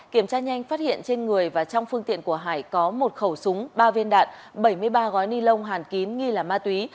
kiểm tra nhanh phát hiện trên người và trong phương tiện của hải có một khẩu súng ba viên đạn bảy mươi ba gói ni lông hàn kín nghi là ma túy